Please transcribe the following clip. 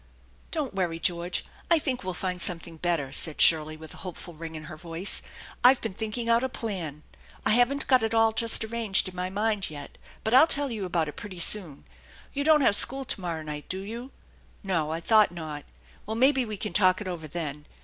"Don't worry, George; I think we'll find something bet ter," said Shirley with a hopeful ring in her voice. " I've been thinking out a plan. I haven't got it all just arranged in my mind yet, but I'll tell you about it pretty soon. You don't have school to morrow night, do you? No, I thought not. Well, maybe we can talk it over then.